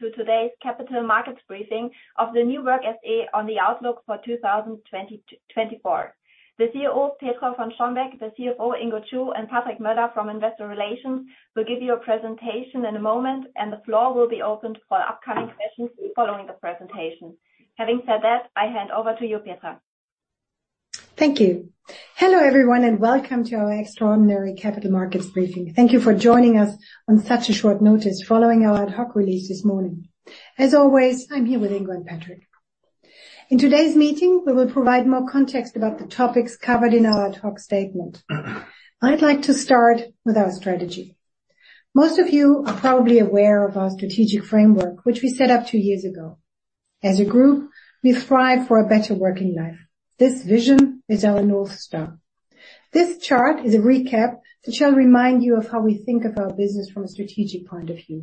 to today's capital markets briefing of the New Work SE on the outlook for 2020-2024. The CEO, Petra von Strombeck, the CFO, Ingo Chu, and Patrick Möller from Investor Relations will give you a presentation in a moment, and the floor will be opened for upcoming questions following the presentation. Having said that, I hand over to you, Petra. Thank you. Hello, everyone, and welcome to our extraordinary capital markets briefing. Thank you for joining us on such a short notice following our ad hoc release this morning. As always, I'm here with Ingo and Patrick. In today's meeting, we will provide more context about the topics covered in our ad hoc statement. I'd like to start with our strategy. Most of you are probably aware of our strategic framework, which we set up two years ago. As a group, we strive for a better working life. This vision is our North Star. This chart is a recap that shall remind you of how we think of our business from a strategic point of view.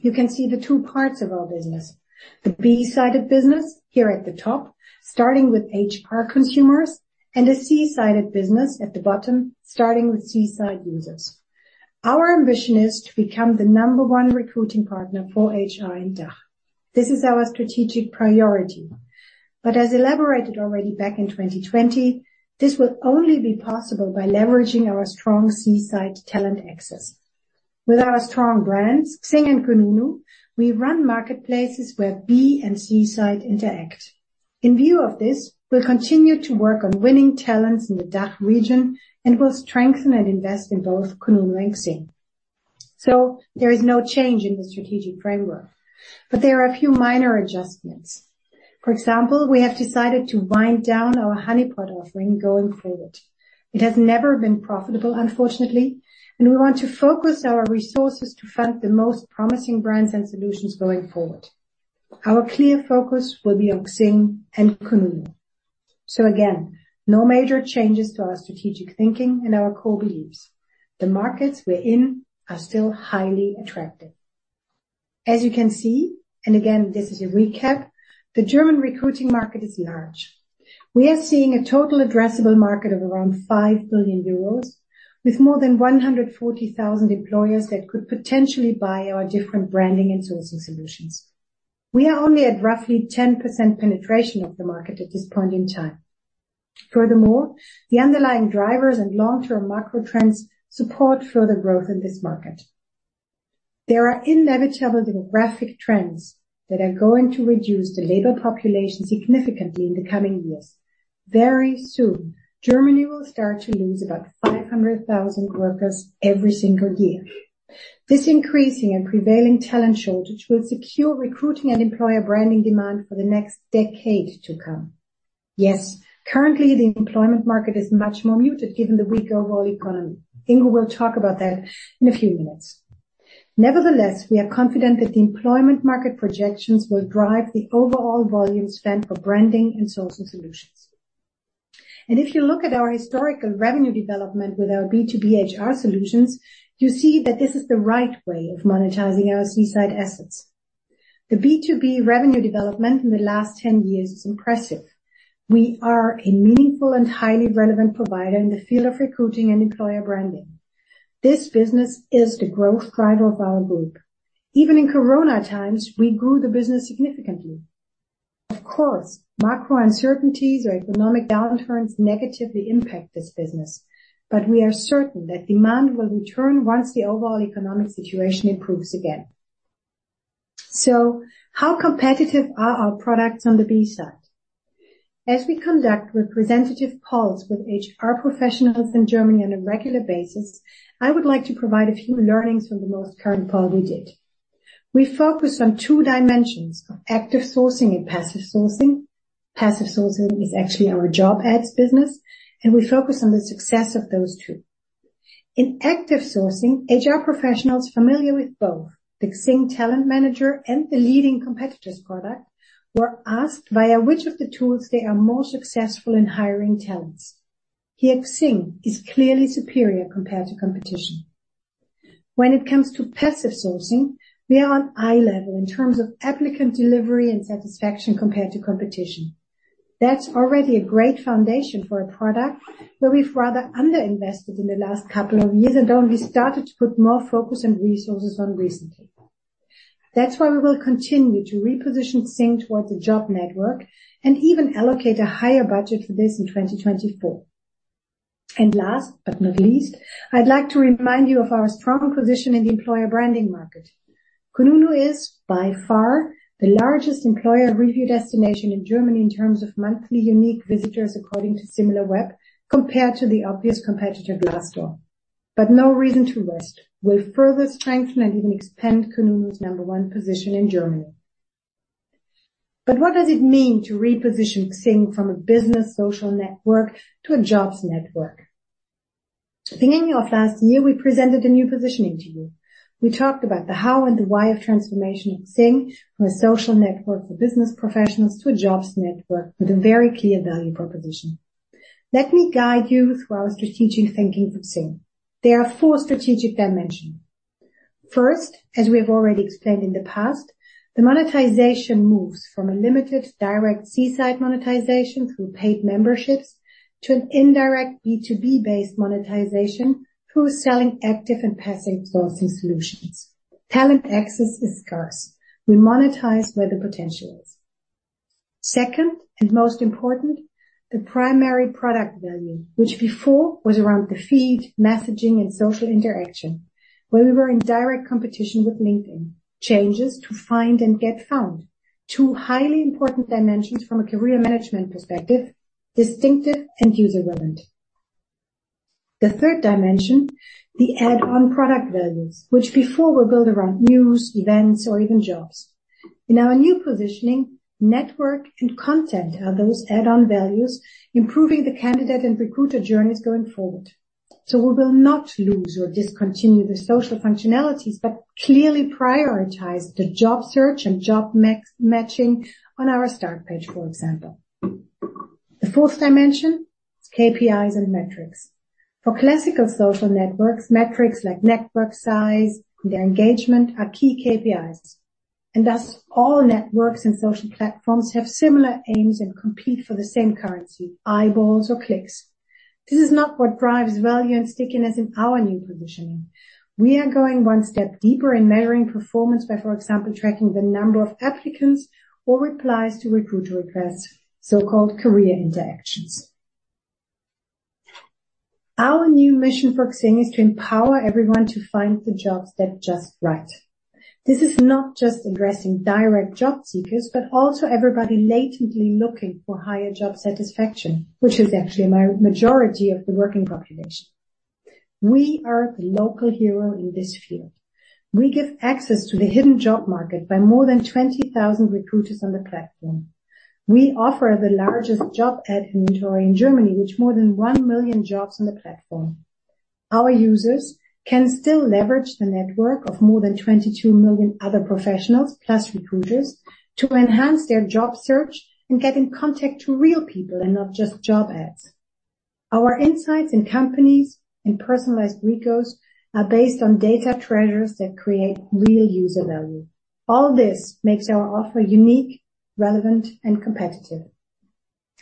You can see the two parts of our business: the B-sided business here at the top, starting with HR consumers, and a C-sided business at the bottom, starting with C-side users. Our ambition is to become the number one recruiting partner for HR in DACH. This is our strategic priority, but as elaborated already back in 2020, this will only be possible by leveraging our strong C-side talent access. With our strong brands, XING and kununu, we run marketplaces where B and C-side interact. In view of this, we'll continue to work on winning talents in the DACH region and will strengthen and invest in both kununu and XING. There is no change in the strategic framework, but there are a few minor adjustments. For example, we have decided to wind down our Honeypot offering going forward. It has never been profitable, unfortunately, and we want to focus our resources to fund the most promising brands and solutions going forward. Our clear focus will be on XING and kununu. So again, no major changes to our strategic thinking and our core beliefs. The markets we're in are still highly attractive. As you can see, and again, this is a recap, the German recruiting market is large. We are seeing a total addressable market of around 5 billion euros, with more than 140,000 employers that could potentially buy our different branding and sourcing solutions. We are only at roughly 10% penetration of the market at this point in time. Furthermore, the underlying drivers and long-term macro trends support further growth in this market. There are inevitable demographic trends that are going to reduce the labor population significantly in the coming years. Very soon, Germany will start to lose about 500,000 workers every single year. This increasing and prevailing talent shortage will secure recruiting and employer branding demand for the next decade to come. Yes, currently, the employment market is much more muted given the weak overall economy. Ingo will talk about that in a few minutes. Nevertheless, we are confident that the employment market projections will drive the overall volume spent for branding and sourcing solutions. If you look at our historical revenue development with our B2B HR solutions, you see that this is the right way of monetizing our C-side assets. The B2B revenue development in the last 10 years is impressive. We are a meaningful and highly relevant provider in the field of recruiting and employer branding. This business is the growth driver of our group. Even in Corona times, we grew the business significantly. Of course, macro uncertainties or economic downturns negatively impact this business, but we are certain that demand will return once the overall economic situation improves again. So how competitive are our products on the B side? As we conduct representative polls with HR professionals in Germany on a regular basis, I would like to provide a few learnings from the most current poll we did. We focus on two dimensions of active sourcing and passive sourcing. Passive sourcing is actually our job ads business, and we focus on the success of those two. In active sourcing, HR professionals familiar with both the XING Talent Manager and the leading competitor's product, were asked via which of the tools they are most successful in hiring talents. Here, XING is clearly superior compared to competition. When it comes to passive sourcing, we are on eye level in terms of applicant delivery and satisfaction compared to competition. That's already a great foundation for a product where we've rather underinvested in the last couple of years and only started to put more focus and resources on recently. That's why we will continue to reposition XING towards the job network and even allocate a higher budget for this in 2024. Last but not least, I'd like to remind you of our stronger position in the employer branding market. Kununu is by far the largest employer review destination in Germany in terms of monthly unique visitors, according to Similarweb, compared to the obvious competitor, Glassdoor. No reason to rest. We'll further strengthen and even expand Kununu's number one position in Germany. What does it mean to reposition XING from a business social network to a jobs network? Beginning of last year, we presented a new positioning to you. We talked about the how and the why of transformation of XING from a social network for business professionals to a jobs network with a very clear value proposition. Let me guide you through our strategic thinking for XING. There are four strategic dimensions. First, as we have already explained in the past, the monetization moves from a limited direct C-side monetization through paid memberships to an indirect B2B-based monetization through selling active and passive sourcing solutions. Talent access is scarce. We monetize where the potential is.... Second, and most important, the primary product value, which before was around the feed, messaging, and social interaction, where we were in direct competition with LinkedIn. Changes to find and get found. Two highly important dimensions from a career management perspective, distinctive and user-relevant. The third dimension, the add-on product values, which before were built around news, events, or even jobs. In our new positioning, network and content are those add-on values, improving the candidate and recruiter journeys going forward. So we will not lose or discontinue the social functionalities, but clearly prioritize the job search and job matching on our start page, for example. The fourth dimension, KPIs and metrics. For classical social networks, metrics like network size and their engagement are key KPIs, and thus all networks and social platforms have similar aims and compete for the same currency, eyeballs or clicks. This is not what drives value and stickiness in our new positioning. We are going one step deeper in measuring performance by, for example, tracking the number of applicants or replies to recruiter requests, so-called career interactions. Our new mission for XING is to empower everyone to find the jobs that are just right. This is not just addressing direct job seekers, but also everybody latently looking for higher job satisfaction, which is actually a majority of the working population. We are the local hero in this field. We give access to the hidden job market by more than 20,000 recruiters on the platform. We offer the largest job ad inventory in Germany, with more than 1 million jobs on the platform. Our users can still leverage the network of more than 22 million other professionals, plus recruiters, to enhance their job search and get in contact to real people and not just job ads. Our insights in companies and personalized recos are based on data treasures that create real user value. All this makes our offer unique, relevant, and competitive.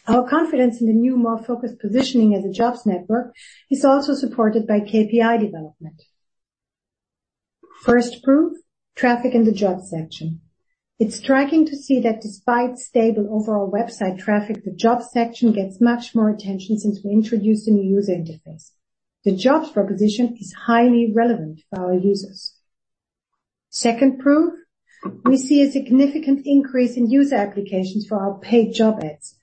Our confidence in the new, more focused positioning as a jobs network is also supported by KPI development. First proof, traffic in the job section. It's striking to see that despite stable overall website traffic, the job section gets much more attention since we introduced the new user interface. The jobs proposition is highly relevant for our users. Second proof, we see a significant increase in user applications for our paid job ads,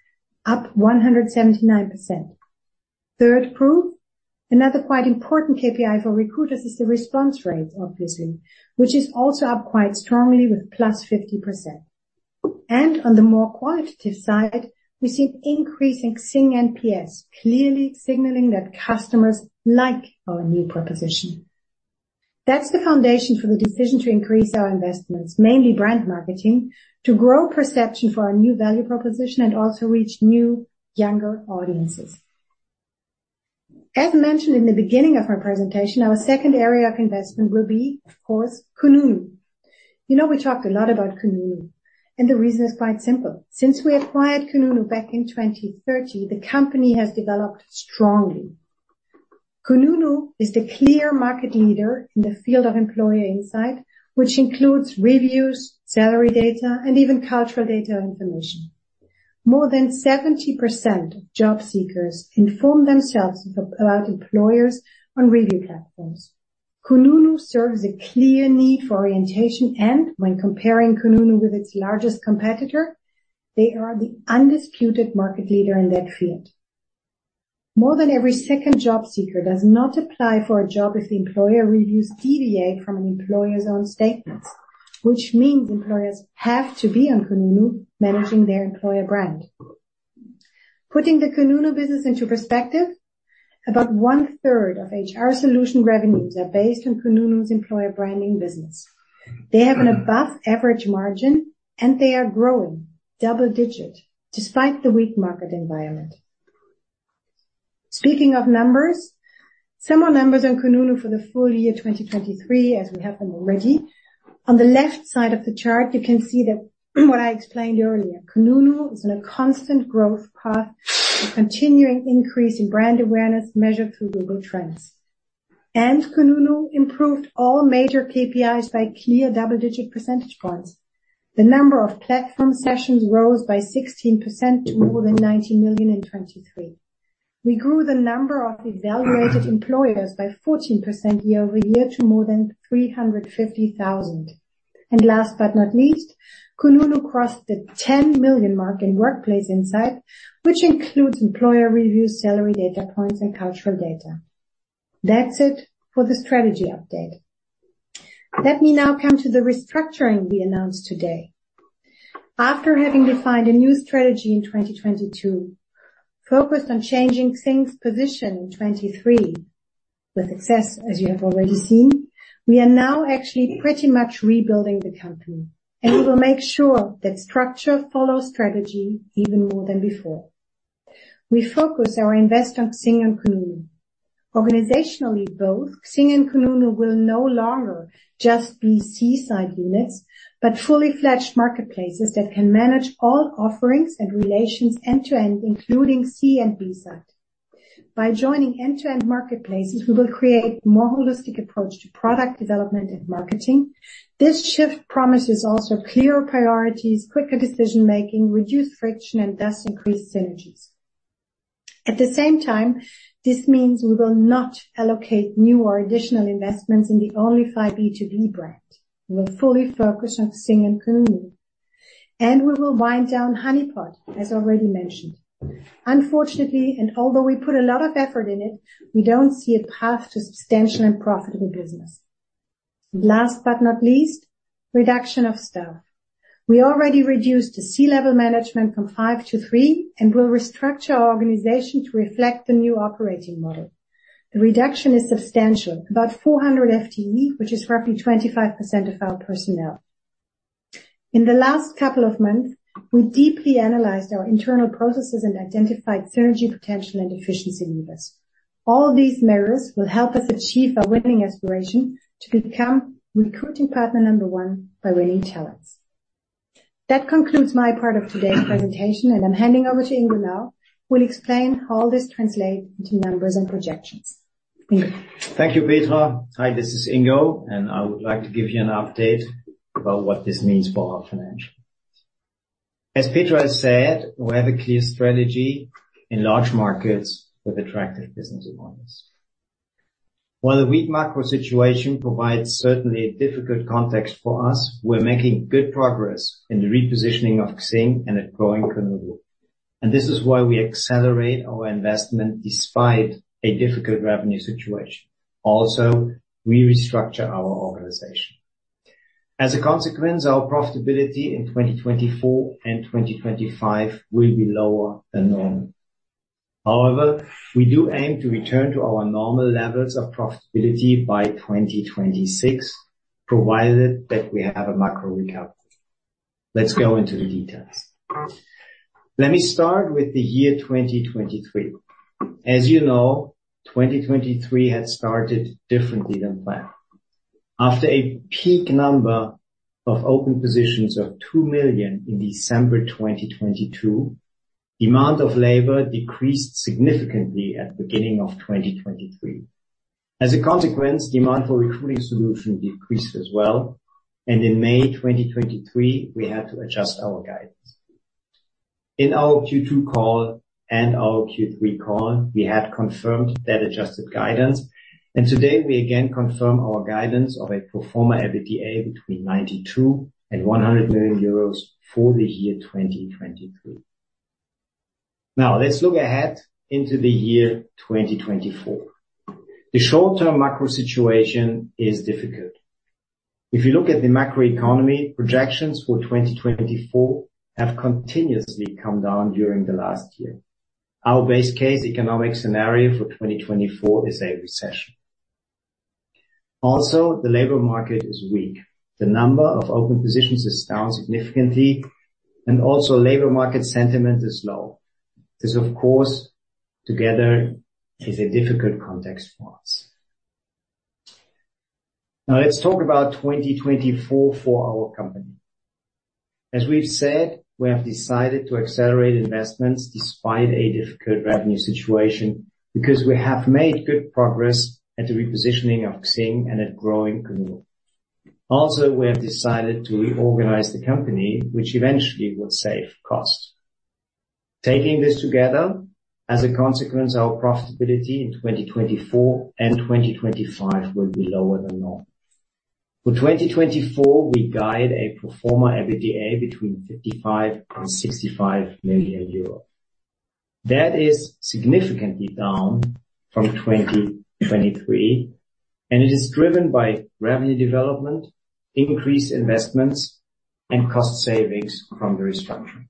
up 179%. Third proof, another quite important KPI for recruiters is the response rates, obviously, which is also up quite strongly with +50%. On the more qualitative side, we see an increase in XING NPS, clearly signaling that customers like our new proposition. That's the foundation for the decision to increase our investments, mainly brand marketing, to grow perception for our new value proposition and also reach new, younger audiences. As mentioned in the beginning of our presentation, our second area of investment will be, of course, kununu. You know, we talked a lot about kununu, and the reason is quite simple. Since we acquired kununu back in 2013, the company has developed strongly. kununu is the clear market leader in the field of employer insight, which includes reviews, salary data, and even cultural data information. More than 70% of job seekers inform themselves about employers on review platforms. kununu serves a clear need for orientation, and when comparing kununu with its largest competitor, they are the undisputed market leader in that field. More than every second job seeker does not apply for a job if the employer reviews deviate from an employer's own statements, which means employers have to be on kununu managing their employer brand. Putting the kununu business into perspective, about one-third of HR solution revenues are based on kununu's employer branding business. They have an above-average margin, and they are growing double-digit despite the weak market environment. Speaking of numbers, some more numbers on kununu for the full year, 2023, as we have them already. On the left side of the chart, you can see that, what I explained earlier. kununu is on a constant growth path, a continuing increase in brand awareness measured through Google Trends. kununu improved all major KPIs by clear double-digit percentage points. The number of platform sessions rose by 16% to more than 90 million in 2023. We grew the number of evaluated employers by 14% year-over-year to more than 350,000. Last but not least, kununu crossed the 10 million mark in workplace insight, which includes employer reviews, salary data points, and cultural data. That's it for the strategy update. Let me now come to the restructuring we announced today. After having defined a new strategy in 2022, focused on changing XING's position in 2023, with success, as you have already seen, we are now actually pretty much rebuilding the company, and we will make sure that structure follows strategy even more than before. We focus our investments on XING and kununu. Organizationally, both XING and kununu will no longer just be C-side units, but fully fledged marketplaces that can manage all offerings and relations end to end, including C and B-side.... By joining end-to-end marketplaces, we will create a more holistic approach to product development and marketing. This shift promises also clearer priorities, quicker decision-making, reduced friction, and thus increased synergies. At the same time, this means we will not allocate new or additional investments in the onlyfy B2B brand. We will fully focus on XING and kununu, and we will wind down Honeypot, as already mentioned. Unfortunately, and although we put a lot of effort in it, we don't see a path to substantial and profitable business. Last but not least, reduction of staff. We already reduced the C-level management from 5 to 3 and will restructure our organization to reflect the new operating model. The reduction is substantial, about 400 FTE, which is roughly 25% of our personnel. In the last couple of months, we deeply analyzed our internal processes and identified synergy, potential, and efficiency levers. All of these measures will help us achieve our winning aspiration to become recruiting partner number one by winning talents. That concludes my part of today's presentation, and I'm handing over to Ingo now, who will explain how all this translate into numbers and projections. Ingo? Thank you, Petra. Hi, this is Ingo, and I would like to give you an update about what this means for our financials. As Petra has said, we have a clear strategy in large markets with attractive business models. While the weak macro situation provides certainly a difficult context for us, we're making good progress in the repositioning of XING and at growing kununu. And this is why we accelerate our investment despite a difficult revenue situation. Also, we restructure our organization. As a consequence, our profitability in 2024 and 2025 will be lower than normal. However, we do aim to return to our normal levels of profitability by 2026, provided that we have a macro recovery. Let's go into the details. Let me start with the year 2023. As you know, 2023 had started differently than planned. After a peak number of open positions of 2 million in December 2022, demand of labor decreased significantly at the beginning of 2023. As a consequence, demand for recruiting solutions decreased as well, and in May 2023, we had to adjust our guidance. In our Q2 call and our Q3 call, we had confirmed that adjusted guidance, and today we again confirm our guidance of a pro forma EBITDA between 92 million and 100 million euros for the year 2023. Now, let's look ahead into the year 2024. The short-term macro situation is difficult. If you look at the macroeconomy, projections for 2024 have continuously come down during the last year. Our base case economic scenario for 2024 is a recession. Also, the labor market is weak. The number of open positions is down significantly, and also labor market sentiment is low. This, of course, together, is a difficult context for us. Now, let's talk about 2024 for our company. As we've said, we have decided to accelerate investments despite a difficult revenue situation, because we have made good progress at the repositioning of XING and at growing kununu. Also, we have decided to reorganize the company, which eventually will save costs. Taking this together, as a consequence, our profitability in 2024 and 2025 will be lower than normal. For 2024, we guide a pro forma EBITDA between 55 million-65 million euro. That is significantly down from 2023, and it is driven by revenue development, increased investments, and cost savings from the restructuring.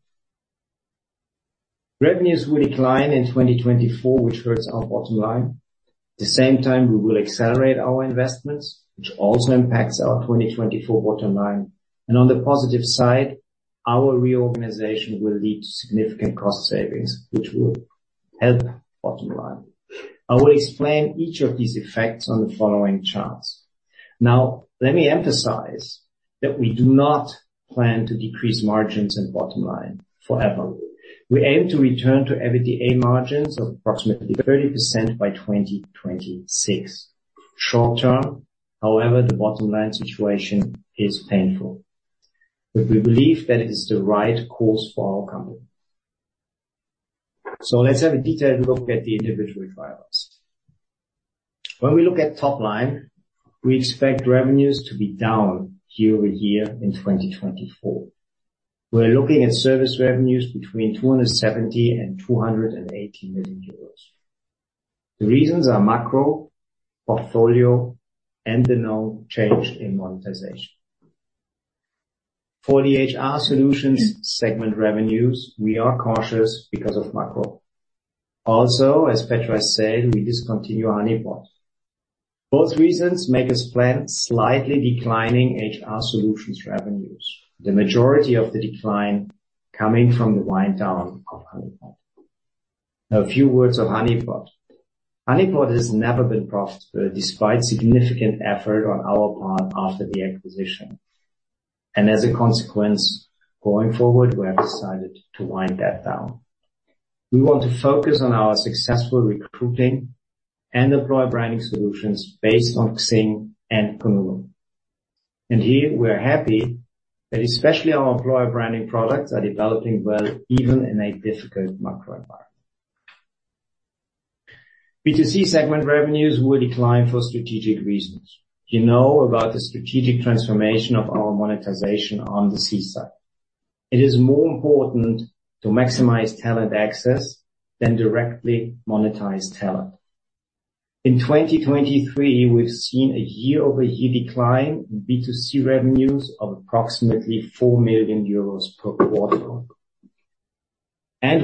Revenues will decline in 2024, which hurts our bottom line. At the same time, we will accelerate our investments, which also impacts our 2024 bottom line. On the positive side, our reorganization will lead to significant cost savings, which will help bottom line. I will explain each of these effects on the following charts. Now, let me emphasize that we do not plan to decrease margins and bottom line forever. We aim to return to EBITDA margins of approximately 30% by 2026. Short term, however, the bottom line situation is painful, but we believe that it is the right course for our company. So let's have a detailed look at the individual drivers. When we look at top line, we expect revenues to be down year-over-year in 2024. We're looking at service revenues between 270 million euros and 280 million euros. The reasons are macro, portfolio, and the known change in monetization. For the HR solutions segment revenues, we are cautious because of macro. Also, as Petra said, we discontinue Honeypot. Both reasons make us plan slightly declining HR solutions revenues. The majority of the decline coming from the wind down of Honeypot. Now, a few words on Honeypot. Honeypot has never been profitable despite significant effort on our part after the acquisition. And as a consequence, going forward, we have decided to wind that down. We want to focus on our successful recruiting and employer branding solutions based on XING and kununu. And here we're happy that especially our employer branding products are developing well, even in a difficult macro environment. B2C segment revenues will decline for strategic reasons. You know about the strategic transformation of our monetization on the C side. It is more important to maximize talent access than directly monetize talent. In 2023, we've seen a year-over-year decline in B2C revenues of approximately 4 million euros per quarter.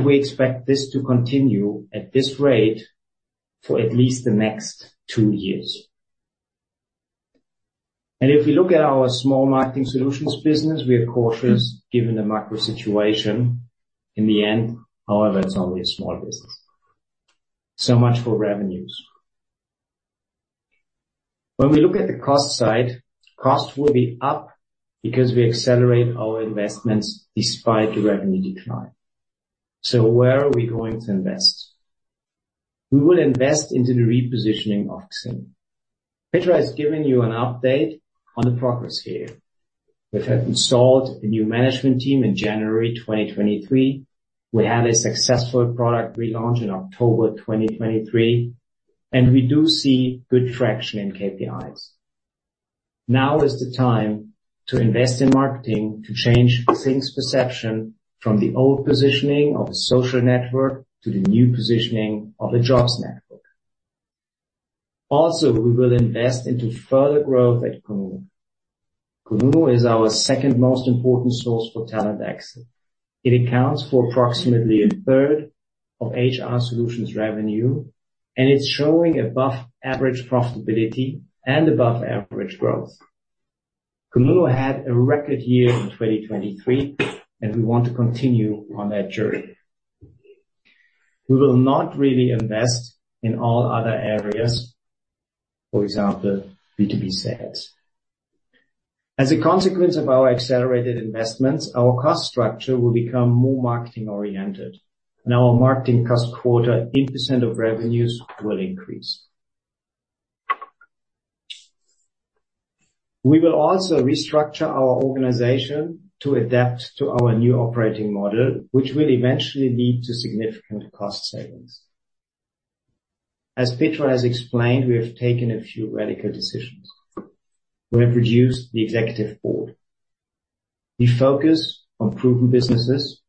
We expect this to continue at this rate for at least the next two years. If we look at our small marketing solutions business, we are cautious given the macro situation. In the end, however, it's only a small business. So much for revenues. When we look at the cost side, costs will be up because we accelerate our investments despite the revenue decline. So where are we going to invest? We will invest into the repositioning of XING. Petra has given you an update on the progress here. We have installed a new management team in January 2023. We had a successful product relaunch in October 2023, and we do see good traction in KPIs. Now is the time to invest in marketing, to change XING's perception from the old positioning of a social network to the new positioning of a jobs network. Also, we will invest into further growth at kununu. kununu is our second most important source for talent access. It accounts for approximately a third of HR solutions revenue, and it's showing above average profitability and above average growth. kununu had a record year in 2023, and we want to continue on that journey. We will not really invest in all other areas, for example, B2B sales. As a consequence of our accelerated investments, our cost structure will become more marketing-oriented, and our marketing cost quarter in % of revenues will increase. We will also restructure our organization to adapt to our new operating model, which will eventually lead to significant cost savings. As Petra has explained, we have taken a few radical decisions. We have reduced the executive board. We focus on proven businesses,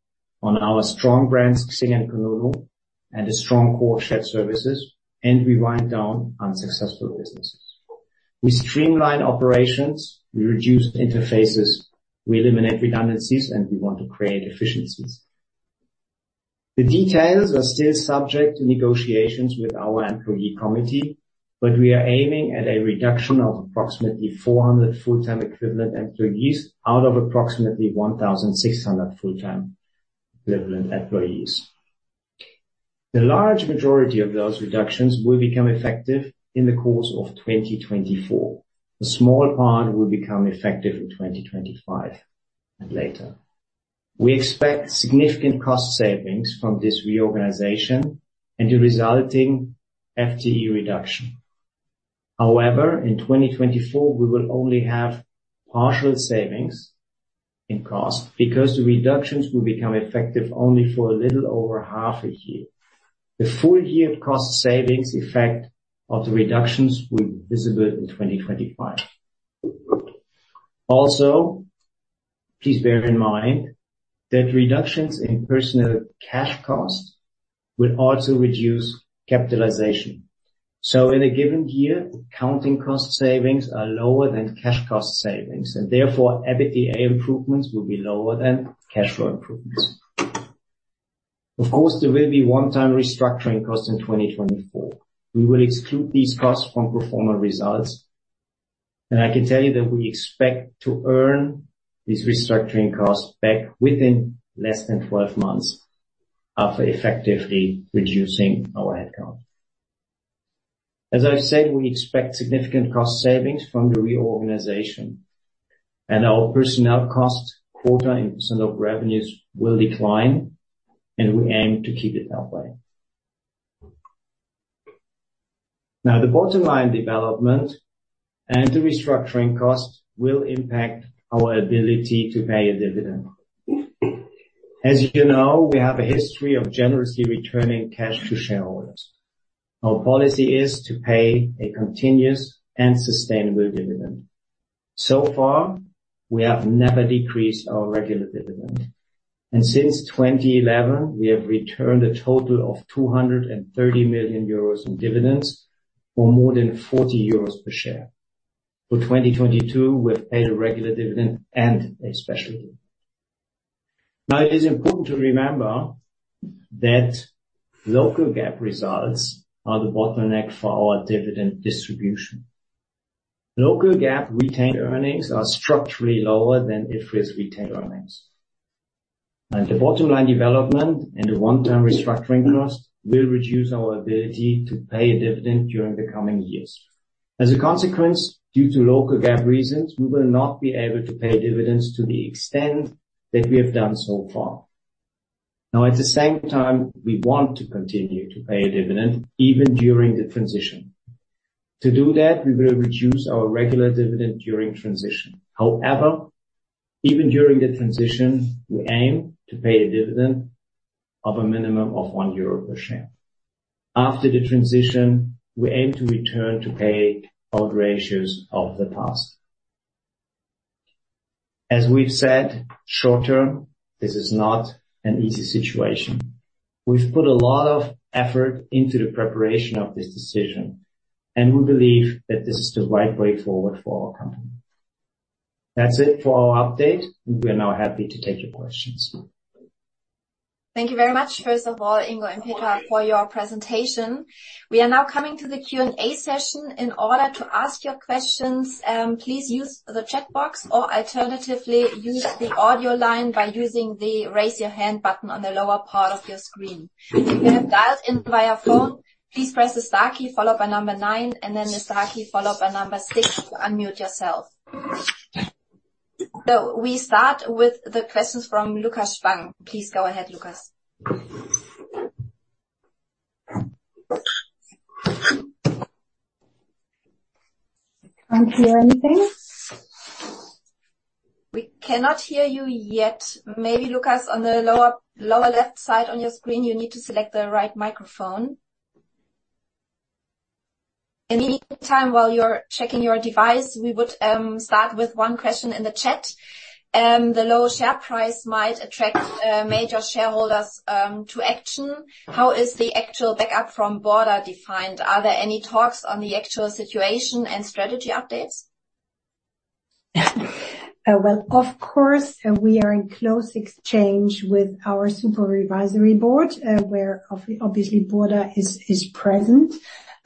on our strong brands, XING and kununu, and a strong core shared services, and we wind down unsuccessful businesses. We streamline operations, we reduce interfaces, we eliminate redundancies, and we want to create efficiencies. The details are still subject to negotiations with our employee committee, but we are aiming at a reduction of approximately 400 full-time equivalent employees out of approximately 1,600 full-time equivalent employees. The large majority of those reductions will become effective in the course of 2024. A small part will become effective in 2025 and later. We expect significant cost savings from this reorganization and the resulting FTE reduction. However, in 2024, we will only have partial savings in cost because the reductions will become effective only for a little over half a year. The full year cost savings effect of the reductions will be visible in 2025. Also, please bear in mind that reductions in personnel cash costs will also reduce capitalization. So in a given year, accounting cost savings are lower than cash cost savings, and therefore, EBITDA improvements will be lower than cash flow improvements. Of course, there will be one-time restructuring costs in 2024. We will exclude these costs from pro forma results, and I can tell you that we expect to earn these restructuring costs back within less than 12 months after effectively reducing our headcount. As I've said, we expect significant cost savings from the reorganization, and our personnel costs quarter in % of revenues will decline, and we aim to keep it that way. Now, the bottom line development and the restructuring costs will impact our ability to pay a dividend. As you know, we have a history of generously returning cash to shareholders. Our policy is to pay a continuous and sustainable dividend. So far, we have never decreased our regular dividend, and since 2011, we have returned a total of 230 million euros in dividends for more than 40 euros per share. For 2022, we've paid a regular dividend and a special dividend. Now, it is important to remember that Local GAAP results are the bottleneck for our dividend distribution. Local GAAP retained earnings are structurally lower than IFRS retained earnings. The bottom line development and the one-time restructuring cost will reduce our ability to pay a dividend during the coming years. As a consequence, due to Local GAAP reasons, we will not be able to pay dividends to the extent that we have done so far. Now, at the same time, we want to continue to pay a dividend even during the transition. To do that, we will reduce our regular dividend during transition. However, even during the transition, we aim to pay a dividend of a minimum of 1 euro per share. After the transition, we aim to return to pay old ratios of the past. As we've said, short term, this is not an easy situation. We've put a lot of effort into the preparation of this decision, and we believe that this is the right way forward for our company. That's it for our update. We are now happy to take your questions. Thank you very much, first of all, Ingo and Petra, for your presentation. We are now coming to the Q&A session. In order to ask your questions, please use the chat box, or alternatively, use the audio line by using the Raise Your Hand button on the lower part of your screen. If you have dialed in via phone, please press the star key followed by number 9, and then the star key followed by number 6 to unmute yourself. So we start with the questions from Lukas Spang. Please go ahead, Lukas. I can't hear anything. We cannot hear you yet. Maybe, Lukas, on the lower left side on your screen, you need to select the right microphone. In the meantime, while you're checking your device, we would start with one question in the chat. The lower share price might attract major shareholders to action. How is the actual backup from Burda defined? Are there any talks on the actual situation and strategy updates? Well, of course, we are in close exchange with our supervisory board, where obviously, Burda is present.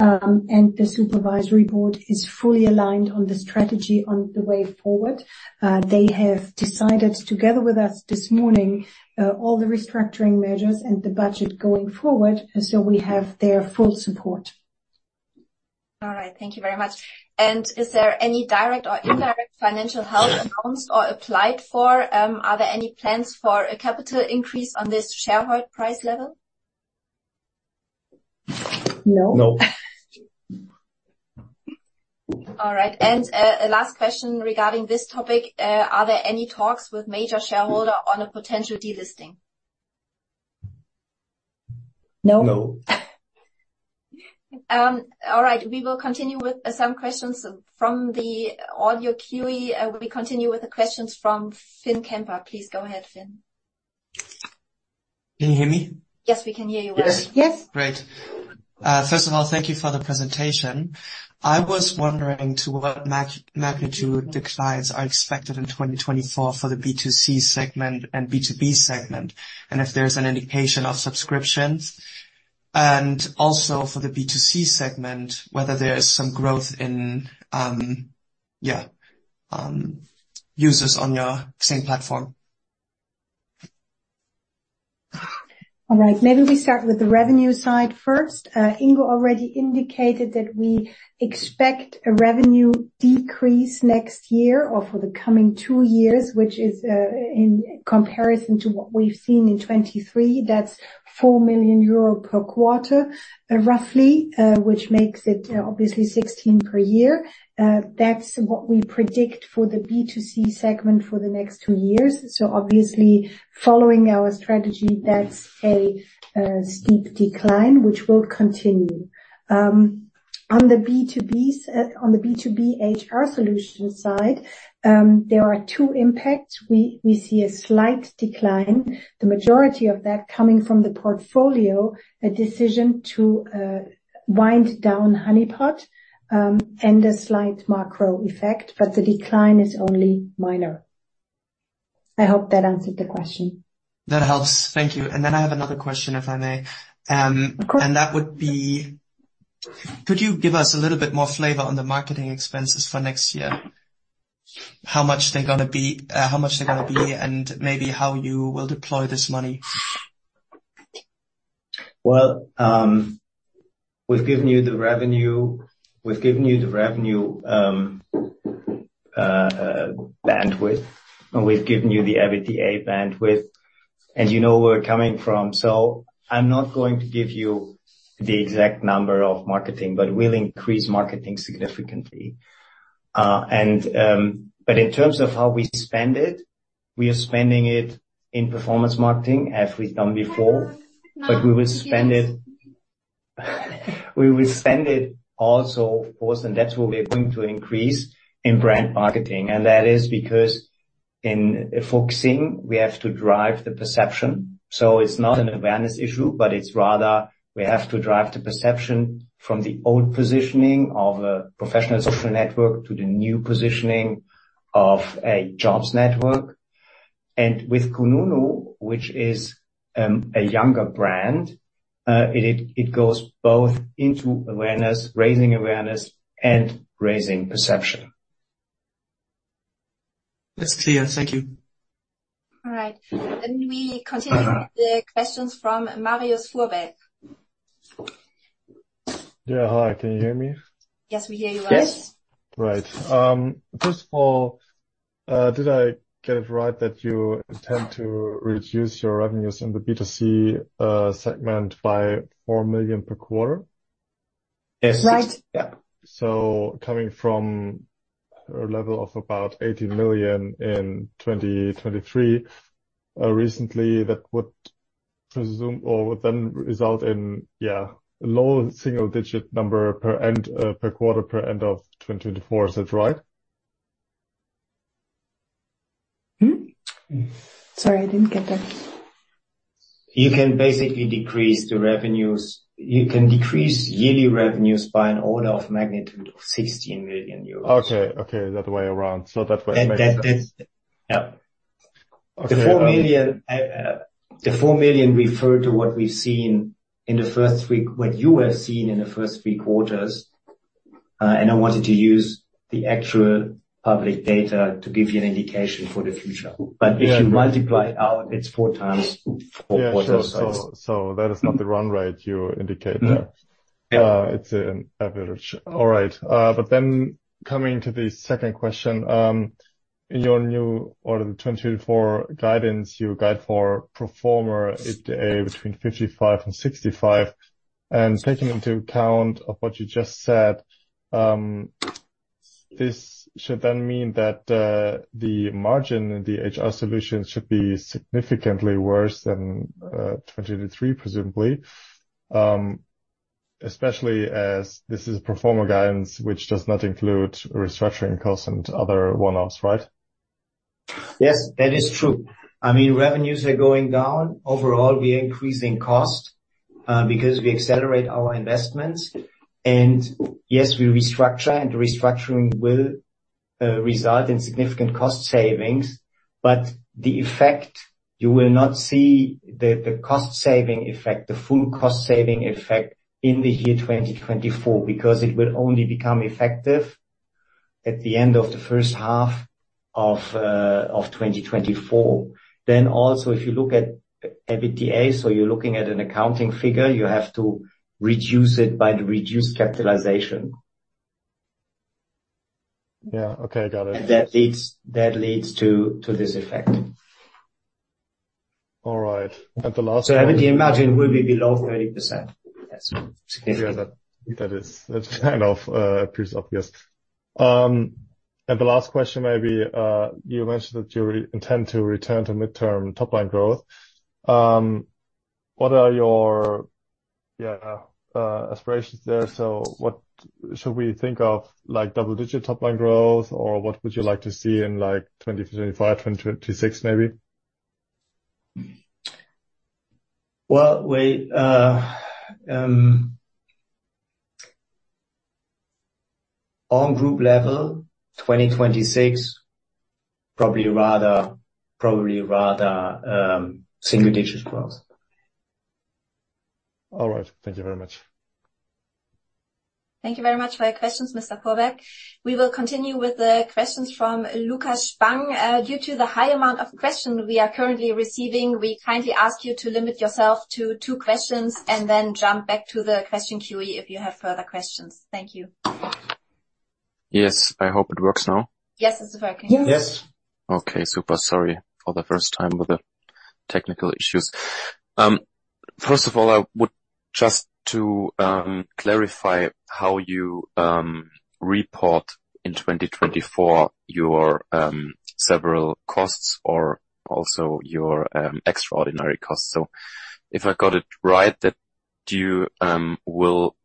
The supervisory board is fully aligned on the strategy on the way forward. They have decided together with us this morning all the restructuring measures and the budget going forward, so we have their full support. All right. Thank you very much. Is there any direct or indirect financial help incoming or applied for? Are there any plans for a capital increase on this share price level? No. No. All right. Last question regarding this topic, are there any talks with major shareholder on a potential delisting? No. No. All right. We will continue with some questions from the audio queue. We continue with the questions from Finn Kemper. Please go ahead, Finn. Can you hear me? Yes, we can hear you well. Yes. Great. First of all, thank you for the presentation. I was wondering to what magnitude declines are expected in 2024 for the B2C segment and B2B segment, and if there's an indication of subscriptions? And also for the B2C segment, whether there is some growth in users on your same platform? All right, maybe we start with the revenue side first. Ingo already indicated that we expect a revenue decrease next year or for the coming two years, which is, in comparison to what we've seen in 2023, that's 4 million euro per quarter, roughly, which makes it obviously 16 million per year. That's what we predict for the B2C segment for the next two years. So obviously, following our strategy, that's a steep decline, which will continue. On the B2B HR solution side, there are two impacts. We see a slight decline, the majority of that coming from the portfolio, a decision to wind down Honeypot, and a slight macro effect, but the decline is only minor. I hope that answered the question. That helps. Thank you. And then I have another question, if I may. Of course. Could you give us a little bit more flavor on the marketing expenses for next year? How much they're gonna be, and maybe how you will deploy this money. Well, we've given you the revenue, we've given you the revenue, bandwidth, and we've given you the EBITDA bandwidth, and you know where we're coming from. So I'm not going to give you the exact number of marketing, but we'll increase marketing significantly. But in terms of how we spend it, we are spending it in performance marketing as we've done before, but we will spend it, we will spend it also, of course, and that's where we're going to increase, in brand marketing, and that is because in focusing, we have to drive the perception. So it's not an awareness issue, but it's rather we have to drive the perception from the old positioning of a professional social network to the new positioning of a jobs network. With kununu, which is a younger brand, it goes both into awareness, raising awareness and raising perception. That's clear. Thank you. All right. Then we continue the questions from Marius Fuhrberg. Yeah, hi, can you hear me? Yes, we hear you well. Yes. Right. First of all, did I get it right that you intend to reduce your revenues in the B2C segment by 4 million per quarter? Yes. Right. Yeah. So coming from a level of about 80 million in 2023, recently, that would presume or would then result in, yeah, a low single digit number per end, per quarter, per end of 2024. Is that right? Hmm? Sorry, I didn't get that. You can basically decrease the revenues. You can decrease yearly revenues by an order of magnitude of 16 million euros. Okay, okay, the other way around. That way it makes sense. And that, that's... Yeah. Okay, um- The 4 million refer to what we've seen in the first three quarters, and I wanted to use the actual public data to give you an indication for the future. Yeah. If you multiply it out, it's four times four quarters. Yeah. So, that is not the run rate you indicate there? No. Yeah. It's an average. All right. But then coming to the second question, in your new order 2024 guidance, you guide for pro forma EBITDA between 55 and 65. Taking into account of what you just said, this should then mean that the margin in the HR solution should be significantly worse than 2023, presumably. Especially as this is pro forma guidance, which does not include restructuring costs and other one-offs, right? Yes, that is true. I mean, revenues are going down. Overall, we're increasing cost, because we accelerate our investments, and yes, we restructure, and restructuring will result in significant cost savings. But the effect, you will not see the, the cost-saving effect, the full cost-saving effect in the year 2024, because it will only become effective at the end of the first half of, of 2024. Then also, if you look at EBITDA, so you're looking at an accounting figure, you have to reduce it by the reduced capitalization. Yeah. Okay, got it. And that leads to this effect. All right. And the last one- EBITDA margin will be below 30%. Yes. Yeah, that kind of appears obvious. And the last question may be, you mentioned that you intend to return to midterm top line growth. What are your aspirations there? So what should we think of, like, double-digit top line growth, or what would you like to see in, like, 2025, 2026, maybe? Well, on group level, 2026, probably rather single-digit growth. All right. Thank you very much. Thank you very much for your questions, Mr. Furbeck. We will continue with the questions from Lukas Spang. Due to the high amount of questions we are currently receiving, we kindly ask you to limit yourself to two questions and then jump back to the question queue if you have further questions. Thank you. Yes, I hope it works now. Yes, it's working. Yes. Okay, super. Sorry for the first time with the technical issues. First of all, I would just to clarify how you report in 2024, your several costs or also your extraordinary costs. So if I got it right, that you will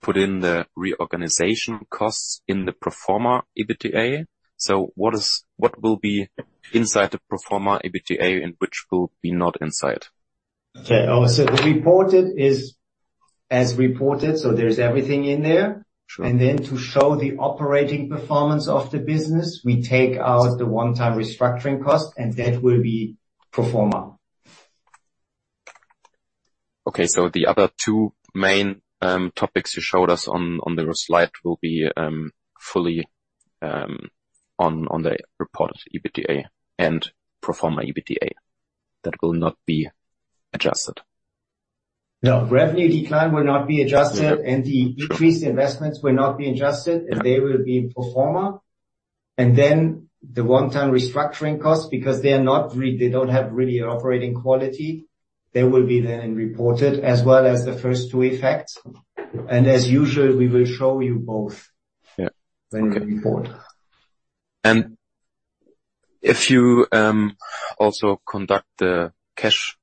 put in the reorganization costs in the pro forma EBITDA. So what is... What will be inside the pro forma EBITDA and which will be not inside? Okay. Oh, so the reported is as reported, so there's everything in there. Sure. And then to show the operating performance of the business, we take out the one-time restructuring cost, and that will be pro forma. Okay, so the other two main topics you showed us on the slide will be fully on the reported EBITDA and pro forma EBITDA. That will not be adjusted? No, revenue decline will not be adjusted, and the increased investments will not be adjusted, and they will be pro forma. And then the one-time restructuring costs, because they are not, they don't have really an operating quality, they will be then reported as well as the first two effects. And as usual, we will show you both- Yeah. when we report. And if you also conduct the cash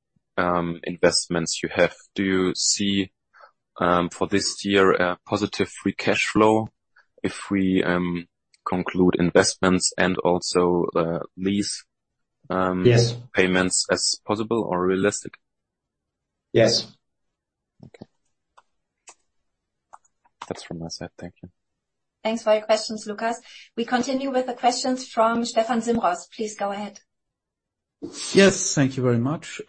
investments you have, do you see for this year a positive free cash flow if we conclude investments and also lease? Yes. payments as possible or realistic? Yes. Okay. That's from my side. Thank you. Thanks for your questions, Lukas. We continue with the questions from Stefan Simros. Please go ahead. ... Yes, thank you very much.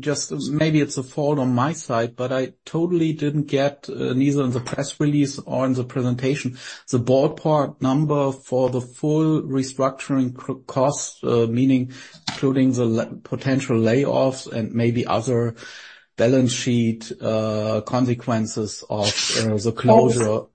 Just maybe it's a fault on my side, but I totally didn't get neither in the press release or in the presentation the ballpark number for the full restructuring cost, meaning including the potential layoffs and maybe other balance sheet consequences of the closure.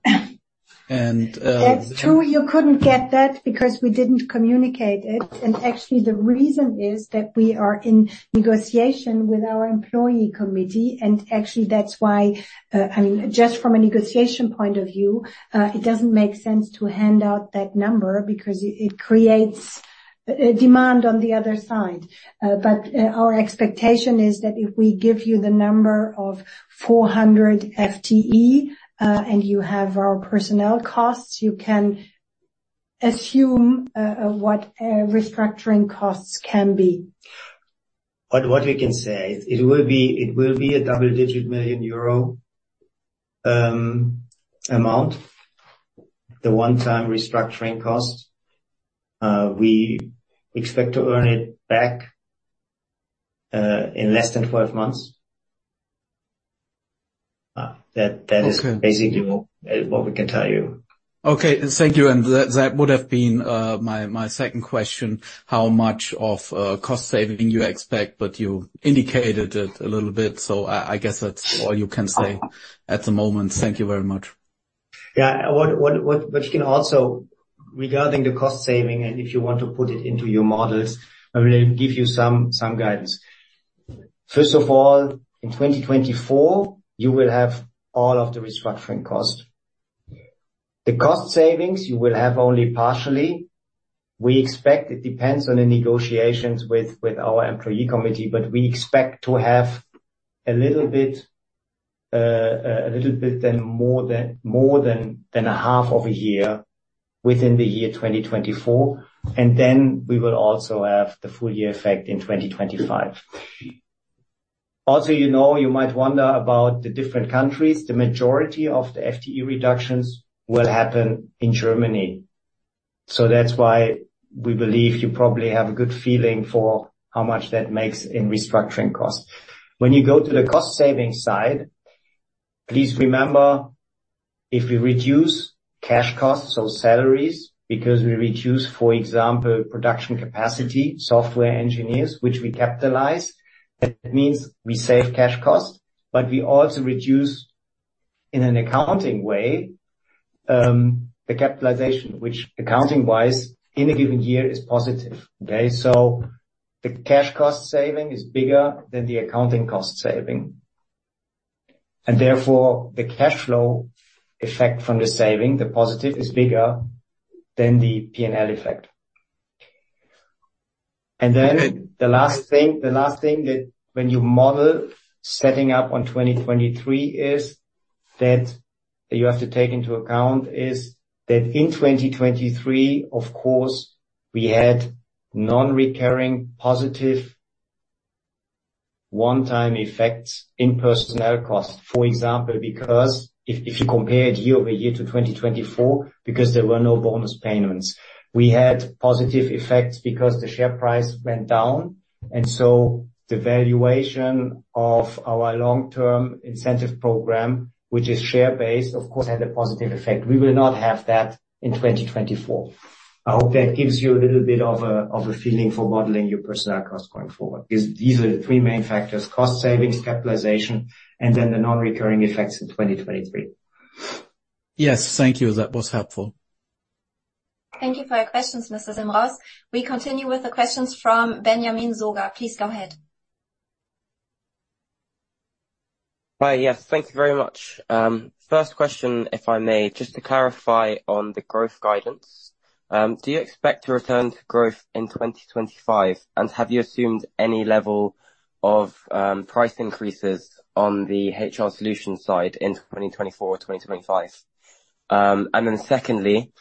And That's true, you couldn't get that because we didn't communicate it. Actually, the reason is that we are in negotiation with our employee committee, and actually, that's why, I mean, just from a negotiation point of view, it doesn't make sense to hand out that number because it creates a demand on the other side. But our expectation is that if we give you the number of 400 FTE, and you have our personnel costs, you can assume what restructuring costs can be. But what we can say, it will be a double-digit million EUR amount, the one-time restructuring cost. We expect to earn it back in less than 12 months. That is- Okay. Basically what, what we can tell you. Okay, thank you, and that, that would have been, my, my second question, how much of, cost saving you expect, but you indicated it a little bit, so I, I guess that's all you can say at the moment. Thank you very much. Yeah. But you can also, regarding the cost saving, and if you want to put it into your models, I will give you some guidance. First of all, in 2024, you will have all of the restructuring costs. The cost savings, you will have only partially. We expect it depends on the negotiations with our employee committee, but we expect to have a little bit then more than a half of a year within the year 2024, and then we will also have the full year effect in 2025. Also, you know, you might wonder about the different countries. The majority of the FTE reductions will happen in Germany. So that's why we believe you probably have a good feeling for how much that makes in restructuring costs. When you go to the cost savings side, please remember, if we reduce cash costs or salaries because we reduce, for example, production capacity, software engineers, which we capitalize, that means we save cash costs, but we also reduce, in an accounting way, the capitalization, which accounting-wise, in a given year, is positive. Okay? So the cash cost saving is bigger than the accounting cost saving, and therefore, the cash flow effect from the saving, the positive, is bigger than the P&L effect. And then the last thing, the last thing that when you model setting up on 2023 is that you have to take into account is that in 2023, of course, we had non-recurring positive one-time effects in personnel costs. For example, because if, if you compare it year-over-year to 2024, because there were no bonus payments. We had positive effects because the share price went down, and so the valuation of our long-term incentive program, which is share-based, of course, had a positive effect. We will not have that in 2024. I hope that gives you a little bit of a, of a feeling for modeling your personnel costs going forward. These, these are the three main factors: cost savings, capitalization, and then the non-recurring effects in 2023. Yes, thank you. That was helpful. Thank you for your questions, Mr. Simros. We continue with the questions from Benjamin Soga. Please go ahead. Hi, yes, thank you very much. First question, if I may, just to clarify on the growth guidance, do you expect to return to growth in 2025? And have you assumed any level of price increases on the HR solution side in 2024, 2025? And then secondly,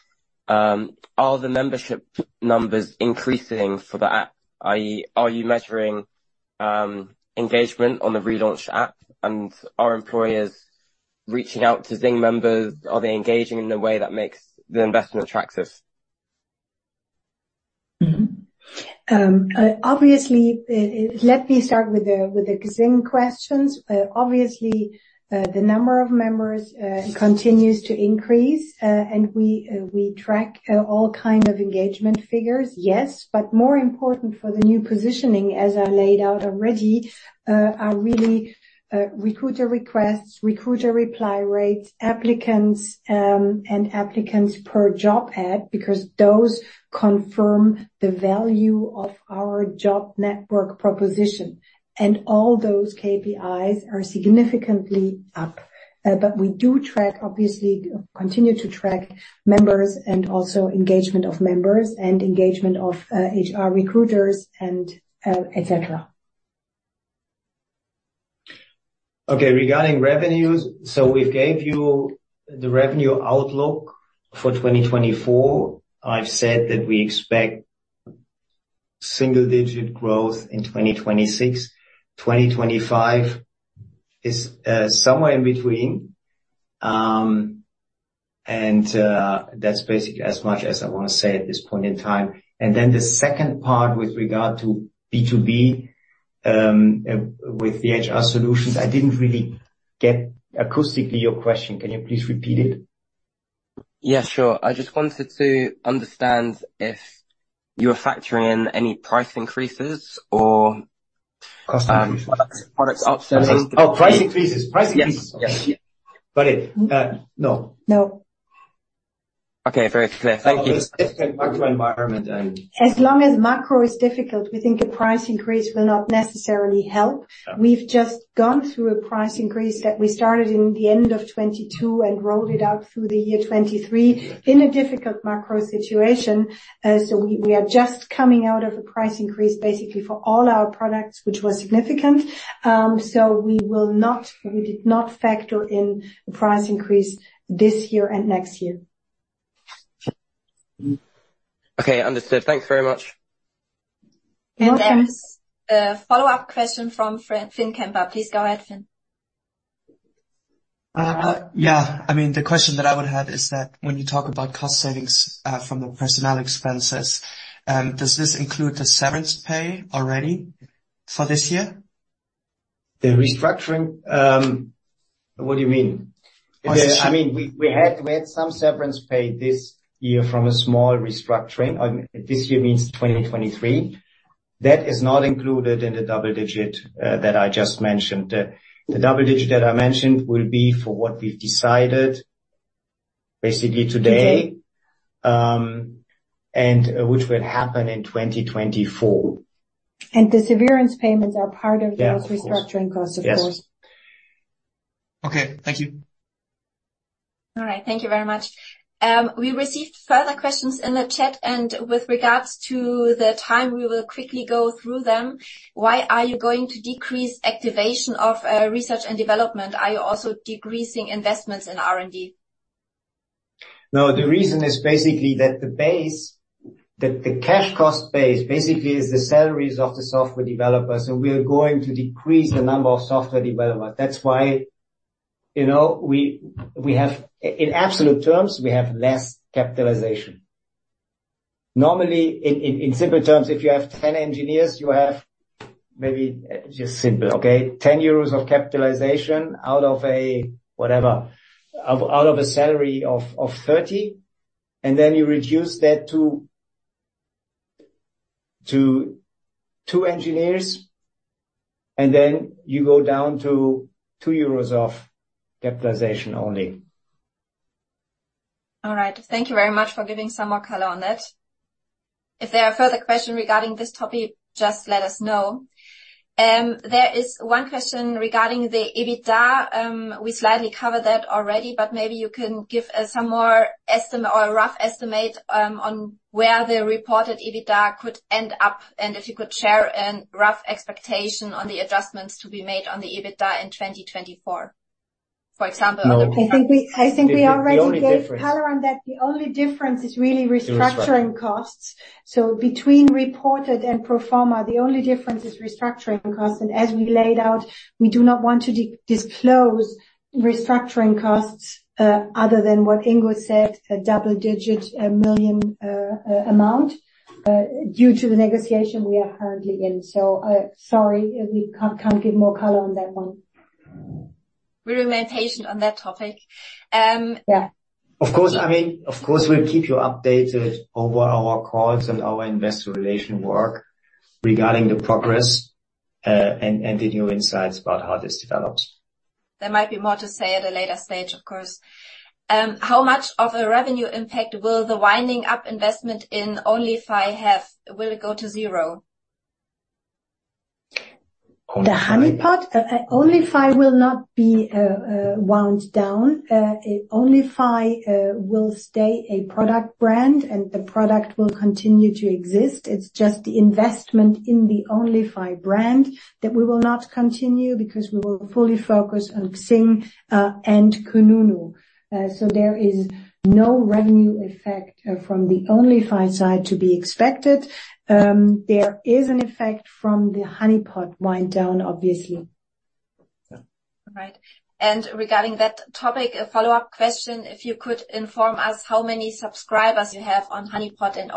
are the membership numbers increasing for the app, i.e., are you measuring engagement on the relaunched app? And are employers reaching out to XING members? Are they engaging in a way that makes the investment attractive? Mm-hmm. Obviously, let me start with the XING questions. Obviously, the number of members continues to increase, and we track all kind of engagement figures, yes. But more important for the new positioning, as I laid out already, are really recruiter requests, recruiter reply rates, applicants, and applicants per job ad, because those confirm the value of our job network proposition. And all those KPIs are significantly up. But we do track, obviously, continue to track members and also engagement of members and engagement of HR recruiters and et cetera. Okay, regarding revenues, so we've gave you the revenue outlook for 2024. I've said that we expect single-digit growth in 2026. 2025 is somewhere in between. That's basically as much as I want to say at this point in time. And then the second part with regard to B2B, with the HR solutions, I didn't really get acoustically your question. Can you please repeat it? Yes, sure. I just wanted to understand if you are factoring in any price increases or- Cost increases. Product, product upsells. Oh, price increases. Yes. Price increases. Yes. Got it. No. No. Okay, very clear. Thank you. It's a different macro environment, and- As long as macro is difficult, we think a price increase will not necessarily help. Yeah. We've just gone through a price increase that we started in the end of 2022 and rolled it out through the year 2023 in a difficult macro situation. So we are just coming out of a price increase, basically for all our products, which was significant. So we will not, we did not factor in a price increase this year and next year. Okay, understood. Thanks very much. You're welcome. Next, follow-up question from Finn Kemba. Please go ahead, Finn. Yeah. I mean, the question that I would have is that when you talk about cost savings from the personnel expenses, does this include the severance pay already for this year? The restructuring? What do you mean? Cost- I mean, we had some severance pay this year from a small restructuring. This year means 2023. That is not included in the double digit that I just mentioned. The double digit that I mentioned will be for what we've decided basically today, and which will happen in 2024. The severance payments are part of- Yeah... those restructuring costs, of course. Yes. Okay. Thank you. All right. Thank you very much. We received further questions in the chat, and with regards to the time, we will quickly go through them. Why are you going to decrease activation of research and development? Are you also decreasing investments in R&D? No, the reason is basically that the base, that the cash cost base, basically is the salaries of the software developers, and we are going to decrease the number of software developers. That's why, you know, we have... In absolute terms, we have less capitalization. Normally, in simple terms, if you have 10 engineers, you have maybe just simple, okay, 10 euros of capitalization out of a whatever, out of a salary of 30, and then you reduce that to 2 engineers, and then you go down to 2 euros of capitalization only. All right. Thank you very much for giving some more color on that. If there are further questions regarding this topic, just let us know. There is one question regarding the EBITDA. We slightly covered that already, but maybe you can give some more estimate or a rough estimate on where the reported EBITDA could end up, and if you could share a rough expectation on the adjustments to be made on the EBITDA in 2024, for example? No, the only difference- I think we, I think we already gave color on that. The only difference is really restructuring costs. Restructuring. So between reported and pro forma, the only difference is restructuring costs, and as we laid out, we do not want to disclose restructuring costs other than what Ingo said, a double-digit million EUR amount due to the negotiation we are currently in. So sorry, we can't give more color on that one. We remain patient on that topic. Yeah. Of course, I mean, of course, we'll keep you updated over our calls and our investor relations work regarding the progress, and the new insights about how this develops. There might be more to say at a later stage, of course. How much of a revenue impact will the winding up investment in onlyfy have? Will it go to zero? Onlyfy- The Honeypot, onlyfy will not be wound down. onlyfy will stay a product brand, and the product will continue to exist. It's just the investment in the onlyfy brand that we will not continue, because we will fully focus on XING and kununu. So there is no revenue effect from the onlyfy side to be expected. There is an effect from the Honeypot wind down, obviously. Yeah. All right. Regarding that topic, a follow-up question, if you could inform us how many subscribers you have on Honeypot and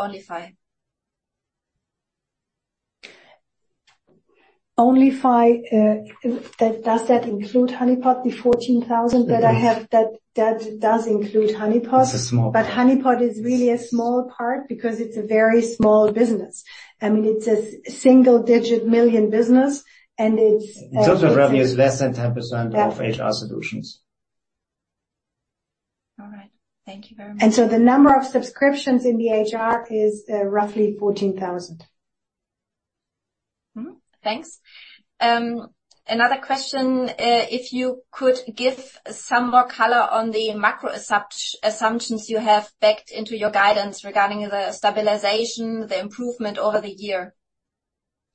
onlyfy? Onlyfy, does that include Honeypot, the 14,000 that I have? Mm. That does include Honeypot. It's a small part. But Honeypot is really a small part because it's a very small business. I mean, it's a single-digit million business, and it's- In terms of revenue, it's less than 10%- Yeah... of HR solutions. All right. Thank you very much. The number of subscriptions in the HR is roughly 14,000. Mm-hmm. Thanks. Another question, if you could give some more color on the macro assumptions you have backed into your guidance regarding the stabilization, the improvement over the year.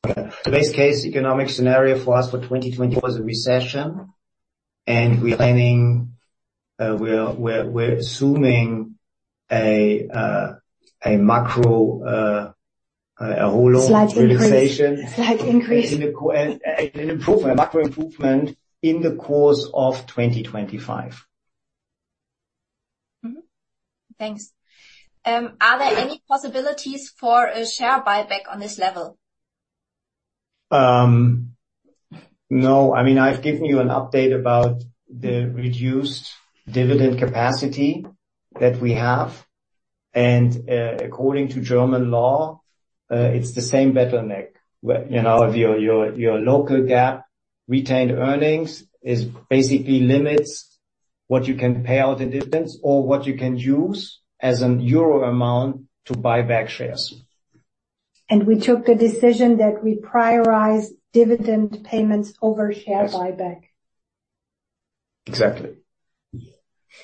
The best case economic scenario for us for 2020 was a recession, and we are planning. We're assuming a macro, a slight relaxation. Slight increase. Slight increase. An improvement, a macro improvement in the course of 2025. Mm-hmm. Thanks. Are there any possibilities for a share buyback on this level? No. I mean, I've given you an update about the reduced dividend capacity that we have, and according to German law, it's the same bottleneck where, you know, your Local GAAP retained earnings basically limits what you can pay out in dividends or what you can use as an euro amount to buy back shares. We took the decision that we prioritize dividend payments over share buyback. Exactly.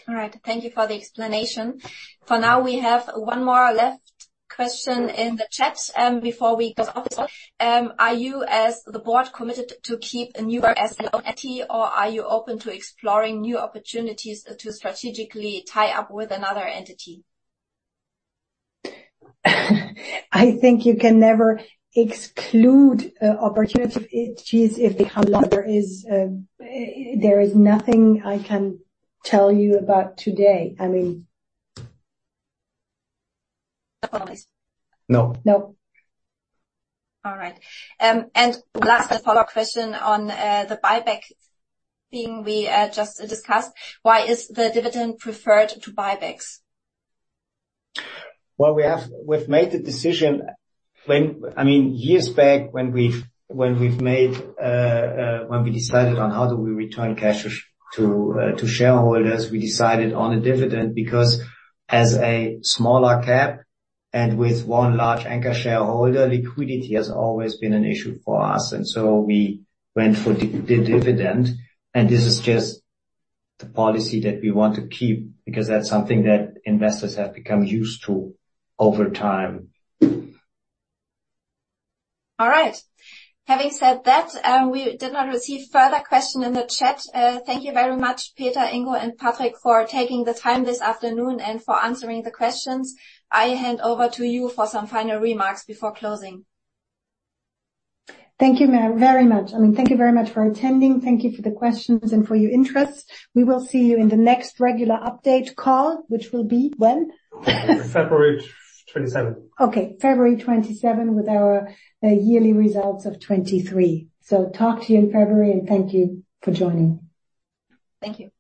All right. Thank you for the explanation. For now, we have one more left question in the chat, before we go off. Are you as the board, committed to keep a new entity, or are you open to exploring new opportunities to strategically tie up with another entity? I think you can never exclude opportunities if they come along. There is nothing I can tell you about today. I mean- No. No. No. All right. Last, a follow-up question on the buyback thing we just discussed. Why is the dividend preferred to buybacks? Well, we've made the decision. I mean, years back, when we decided on how do we return cash to shareholders, we decided on a dividend, because as a smaller cap and with one large anchor shareholder, liquidity has always been an issue for us, and so we went for the dividend. This is just the policy that we want to keep, because that's something that investors have become used to over time. All right. Having said that, we did not receive further question in the chat. Thank you very much, Petra, Ingo, and Patrick, for taking the time this afternoon and for answering the questions. I hand over to you for some final remarks before closing. Thank you, ma'am, very much. I mean, thank you very much for attending. Thank you for the questions and for your interest. We will see you in the next regular update call, which will be when? February 27. Okay, February 27, with our yearly results of 2023. So talk to you in February, and thank you for joining. Thank you.